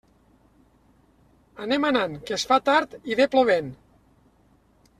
Anem anant, que es fa tard i ve plovent.